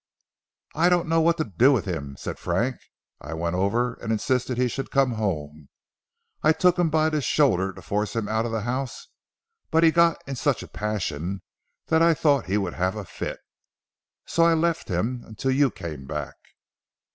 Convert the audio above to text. "I don't know what to do with him," said Frank, "I went over and insisted he should come home. I took him by the shoulder to force him out of the house, but he got in such a passion that I thought he would have a fit. So I left him until you came back."